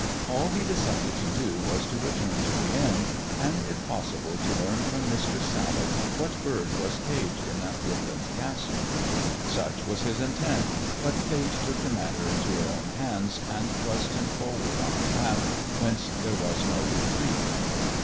All he decided to do was to return to the inn and, if possible, to learn from Mistress Sally what bird waj caged in that Woodland castle. Such was his intent, bul Fate took the matter into her own hands, and thrust him forward on a path whence there was no retreat.